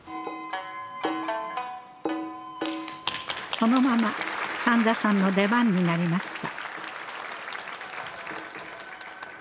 そのまま三三さんの出番になりました。